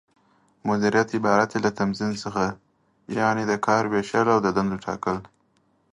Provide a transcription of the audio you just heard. مديريت عبارت دى له تنظيم څخه، یعنې د کار وېشل او د دندو ټاکل